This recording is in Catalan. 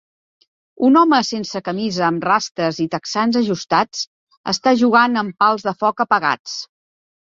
Un home sense camisa amb rastes i texans ajustats està jugant amb pals de foc apagats.